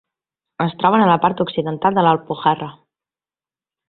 Es troben a la part occidental de La Alpujarra.